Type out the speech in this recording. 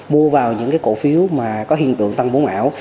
mua vào những cái cổ phiếu mà có hiện tượng tăng vốn ảo